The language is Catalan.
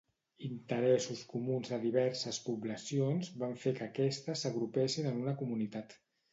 Interessos comuns de diverses poblacions van fer que aquestes s'agrupessin en una Comunitat.